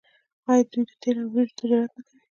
آیا دوی د تیلو او وریجو تجارت نه کوي؟